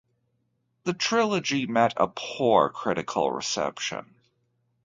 The trilogy met a poor critical reception.